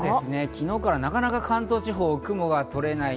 昨日からなかなか関東地方も雲が取れない。